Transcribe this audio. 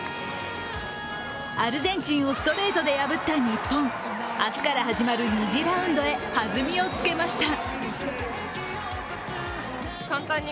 アルゼンチンをストレートで破った日本、明日から始まる２次ラウンドへ弾みをつけました。